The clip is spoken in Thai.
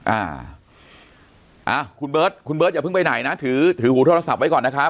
อ่าอ่าคุณเบิร์ตคุณเบิร์ตอย่าเพิ่งไปไหนนะถือถือหูโทรศัพท์ไว้ก่อนนะครับ